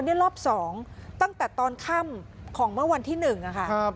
นี่รอบ๒ตั้งแต่ตอนค่ำของเมื่อวันที่๑ค่ะ